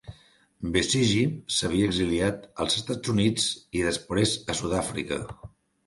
Besigye s'havia exiliat als Estats Units i després a Sud-Àfrica.